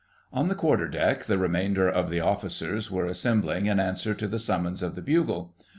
On the quarter deck the remainder of the Officers were assembling in answer to the summons of the bugle.